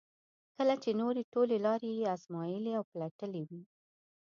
کله چې نورې ټولې لارې یې ازمایلې او پلټلې وي.